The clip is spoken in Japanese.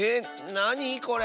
なにこれ？